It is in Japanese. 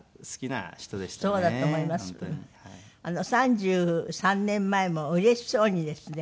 ３３年前もうれしそうにですね